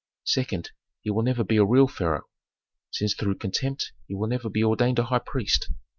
Second, he will never be a real pharaoh, since through contempt he will never be ordained a high priest.